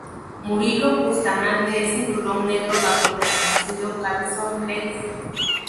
Murilo Bustamante es cinturón negro bajo el reconocido Carlson Gracie.